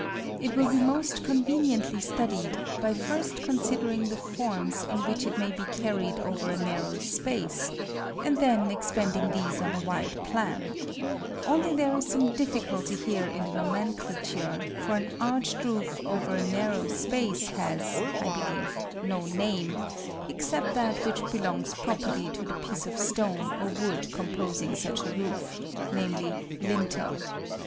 It will be most conveniently studied by first considering the forms in which it may be carried over a narrow space, and then expanding these on a wide plan; only there is some difficulty here in the nomenclature, for an arched roof over a narrow space has (I believe) no name, except that which belongs properly to the piece of stone or wood composing such a roof, namely, lintel.